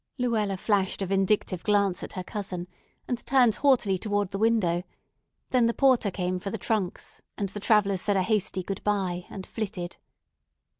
Luella flashed a vindictive glance at her cousin, and turned haughtily toward the window; then the porter came for the trunks, and the travellers said a hasty good by, and flitted.